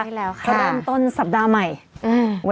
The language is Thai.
นี่แหละค่ะต้นสัปดาห์ใหม่อืม